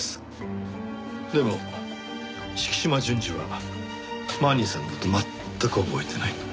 でも敷島純次はマニーさんの事を全く覚えていないと。